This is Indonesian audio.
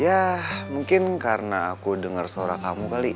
ya mungkin karena aku dengar suara kamu kali